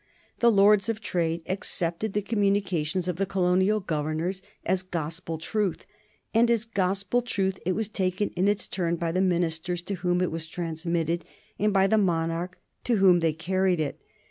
The Lords of Trade accepted the communications of the colonial governors as gospel truth, and as gospel truth it was taken in its turn by the ministers to whom it was transmitted and by the monarch to whom they carried it.